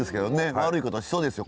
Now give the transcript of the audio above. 悪いことしそうですよ